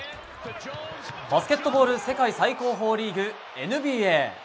バスケットボール世界最高峰リーグ、ＮＢＡ。